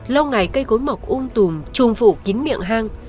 lâu ngày cây gối mọc ung tùm trùm phủ kín miệng hang